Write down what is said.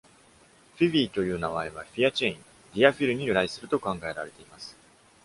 フィビーという名前は、「Fia-chein」「ディア・ヒル」に由来すると考えられています。